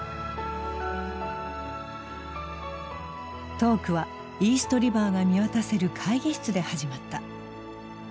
トークはイーストリバーが見渡せる会議室で始まった。